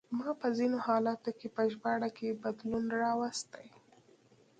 ما په ځینو حالتونو کې په ژباړه کې بدلون راوستی.